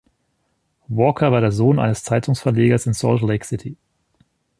Walker war der Sohn eines Zeitungsverlegers in Salt Lake City.